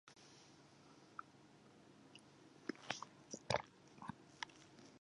半月状のビルも、かつてのランドマークタワーも、ピンク色にライトアップされた観覧車も